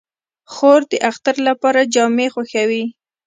خور د اختر لپاره جامې خوښوي.